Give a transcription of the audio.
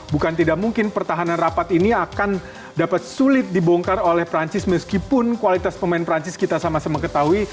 bukan tidak mungkin pertahanan rapat ini akan dapat sulit dibongkar oleh perancis meskipun kualitas pemain perancis kita sama sama ketahui